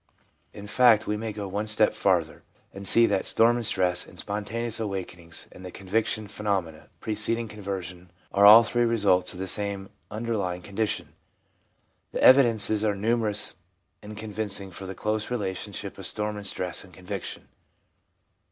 In fact we may go one step farther and see that storm and stress and spontaneous awakenings and the conviction phenomena preceding conversion are all three results of the same underlying condition. The evidences are numerous and convincing for the close kinship of storm and stress and conviction.